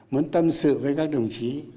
muốn tâm sự với các đồng chí